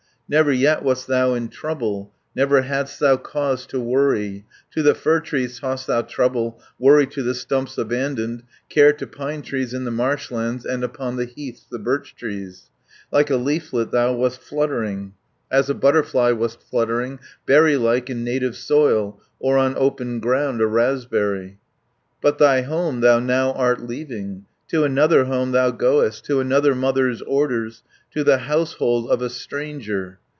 "Never yet wast thou in trouble, Never hadst thou cause to worry, To the fir trees tossed thou trouble, Worry to the stumps abandoned, Care to pine trees in the marshlands, And upon the heaths the birch trees. 90 Like a leaflet thou wast fluttering, As a butterfly wast fluttering, Berry like in native soil, Or on open ground a raspberry. "But thy home thou now art leaving, To another home thou goest, To another mother's orders, To the household of a stranger.